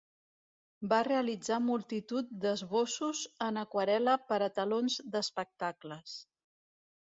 Va realitzar multitud d'esbossos en aquarel·la per a telons d'espectacles.